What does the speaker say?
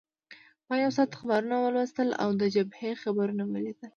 ما یو ساعت اخبارونه ولوستل او د جبهې خبرونه مې ولیدل.